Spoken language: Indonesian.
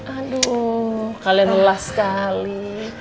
aduh kalian lelah sekali